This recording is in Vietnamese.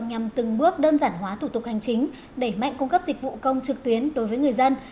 nhằm từng bước đơn giản hóa thủ tục hành chính đẩy mạnh cung cấp dịch vụ công trực tuyến đối với người dân